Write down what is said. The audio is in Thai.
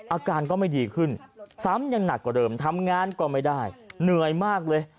อาการก็ไม่ดีขึ้นซ้ำยังหนักกว่าเดิมทำงานก็ไม่ได้เหนื่อยมากเลย